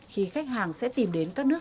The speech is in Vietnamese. khi khách hàng sẽ tìm đến các nước